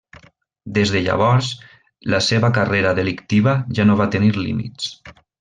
Des de llavors, la seva carrera delictiva ja no va tenir límits.